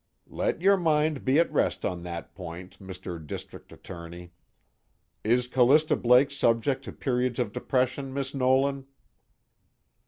"Let your mind be at rest on that point, Mr. District Attorney. Is Callista Blake subject to periods of depression, Miss Nolan?"